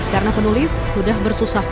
karena penulis sudah bersusahabat